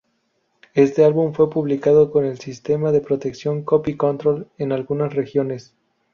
Este álbum fue publicado con el sistema de protección "Copy Control" en algunas regiones.